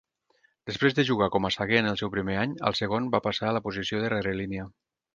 Després de jugar com a saguer en el seu primer any, al segon any va passar a la posició de rerelínia.